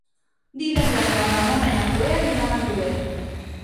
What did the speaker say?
Divendres na Ramona i na Cloè aniran a Aldover.